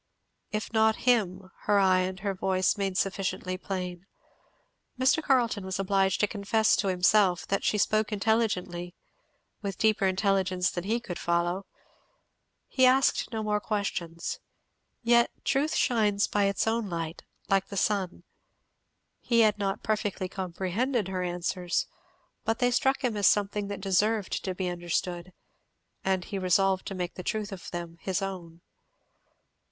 "If not him " her eye and her voice made sufficiently plain. Mr. Carleton was obliged to confess to himself that she spoke intelligently, with deeper intelligence than he could follow. He asked no more questions. Yet truth shines by its own light, like the sun. He had not perfectly comprehended her answers, but they struck him as something that deserved to be understood, and he resolved to make the truth of them his own.